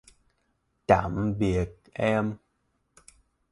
tạm biệt em